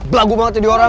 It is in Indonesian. belagu banget jadi orang